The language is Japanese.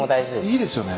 いいですよね。